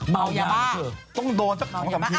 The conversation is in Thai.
เบาอย่าบ้าต้องโดนสัก๒๓ที